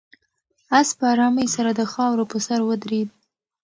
آس په آرامۍ سره د خاورو په سر ودرېد.